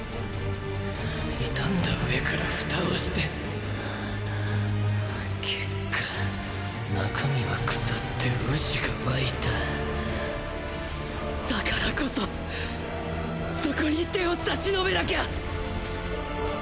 傷んだ上から蓋をして結果中身は腐って蛆が湧いただからこそそこに手を差し伸べなきゃ。